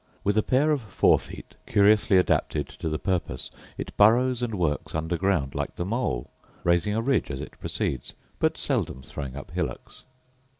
With a pair of fore feet, curiously adapted to the purpose, it burrows and works under ground like the mole, raising a ridge as it proceeds, but seldom throwing up hillocks.